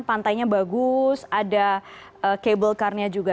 pantainya bagus ada kabel karnya juga